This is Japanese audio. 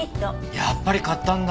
やっぱり買ったんだ。